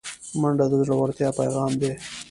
منډه د زړورتیا پیغام دی